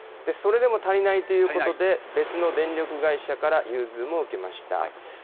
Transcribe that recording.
それでも足りないということで、別の電力会社から融通も受けました。